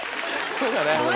そうだね。